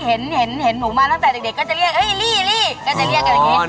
เห็นหนูมาตั้งแต่เด็กก็จะเรียกลี่ก็จะเรียกกันอย่างนี้